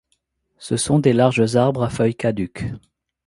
Ce sont des larges arbres à feuilles caduques.